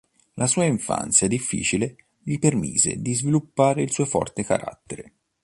La sua infanzia difficile gli permise di sviluppare il suo forte carattere.